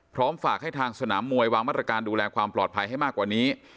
พร้อมฝากให้ทางสนามมวยวางมาตรการดูแลความปลอดภัยให้มากกว่านี้